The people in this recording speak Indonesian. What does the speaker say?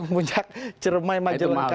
puncak cermai majelengka